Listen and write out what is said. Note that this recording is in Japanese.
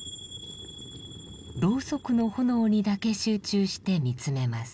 ろうそくの炎にだけ集中して見つめます。